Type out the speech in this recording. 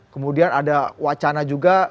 kemudian ada wacana juga